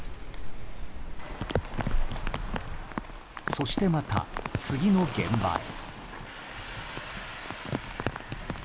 そしてまた、次の現場へ。